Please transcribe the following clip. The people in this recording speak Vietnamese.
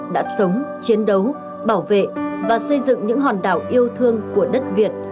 đã sống chiến đấu bảo vệ và xây dựng những hòn đảo yêu thương của đất việt